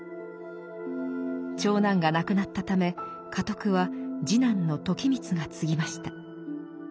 長男が亡くなったため家督は次男の時光が継ぎました。